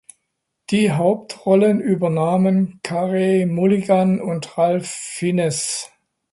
Die Hauptrollen übernahmen Carey Mulligan und Ralph Fiennes.